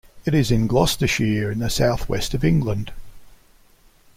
It is in Gloucestershire in the South West of England.